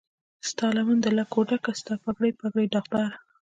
ستالمن د لکو ډکه، ستا پګړۍ، پګړۍ داغداره